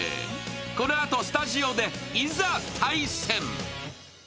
このあとスタジオでいざ対戦。